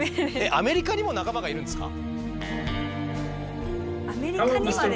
アメリカにも仲間がいるんですか？